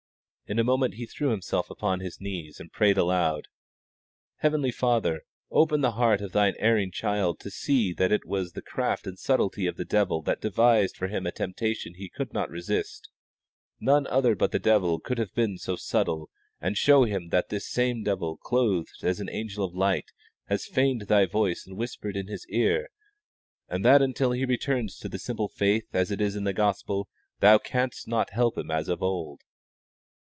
In a moment he threw himself upon his knees and prayed aloud: "Heavenly Father, open the heart of Thine erring child to see that it was the craft and subtlety of the devil that devised for him a temptation he could not resist, none other but the devil could have been so subtle; and show him that this same devil, clothed as an angel of light, has feigned Thy voice and whispered in his ear, and that until he returns to the simple faith as it is in the gospel Thou canst not help him as of old."